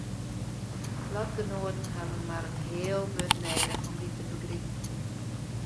Lotgenoaten hawwe mar in heal wurd nedich om dy te begripen.